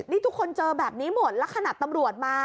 นี่ทุกคนเจอแบบนี้หมดแล้วขนาดตำรวจมา